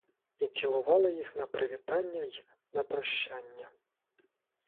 І цілували їх на привітання й на прощання.